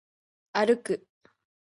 歩く